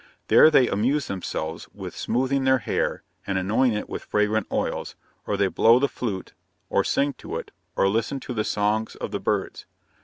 There they amuse themselves with smoothing their hair, and anoint it with fragrant oils; or they blow the flute, and sing to it, or listen to the songs of the birds.